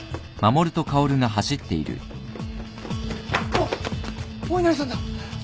おっお稲荷さんだ。